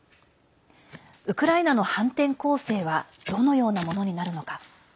ウクライナの反転攻勢はどのようなものになるのか。